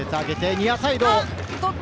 ニアサイド。